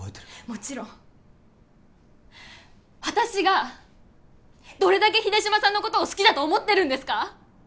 もちろん私がどれだけ秀島さんのことを好きだと思ってるんですか！